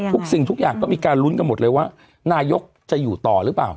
สิ่งทุกอย่างก็มีการลุ้นกันหมดเลยว่านายกจะอยู่ต่อหรือเปล่า